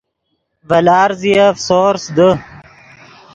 ڤے لارزیف سورس دے